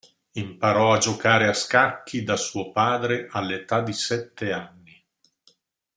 Imparò a giocare a scacchi da suo padre all'età di sette anni.